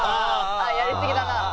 ああやりすぎだな。